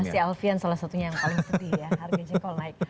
pasti alfian salah satunya yang paling sedih ya harga jengkol naik